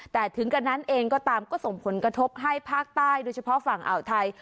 แต่ถึงกันนั้นเองก็ตามก็ส่งผลกระทบให้ภาคใต้โดยเฉพาะฝั่งอ่าวไทย